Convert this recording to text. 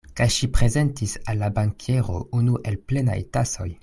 Kaj ŝi prezentis al la bankiero unu el plenaj tasoj.